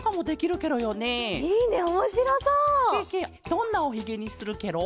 どんなおひげにするケロ？